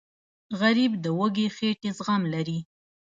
غریب د وږې خېټې زغم لري